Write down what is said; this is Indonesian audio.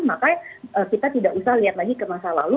maka kita tidak usah lihat lagi ke masa lalu